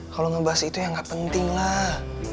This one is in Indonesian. kalau ngebahas itu ya nggak pentinglah